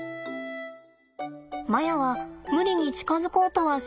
マヤは無理に近づこうとはしません。